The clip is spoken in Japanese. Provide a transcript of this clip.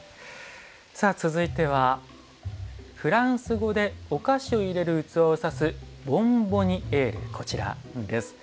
続いては、フランス語でお菓子を入れる器を指すボンボニエールです。